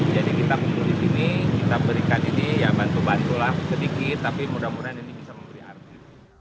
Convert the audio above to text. jadi kita kumpul di sini kita berikan ini ya bantu bantulah sedikit tapi mudah mudahan ini bisa memberi arti